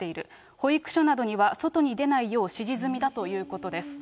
保育所などには外に出ないよう指示済みだということです。